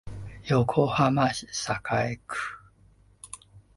横浜市栄区